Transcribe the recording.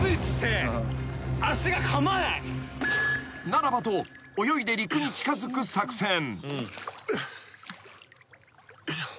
［ならばと泳いで陸に近づく作戦］よいしょ。